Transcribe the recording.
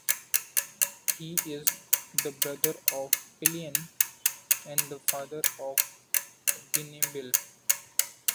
He is the brother of Pallian and the father of Binbeal.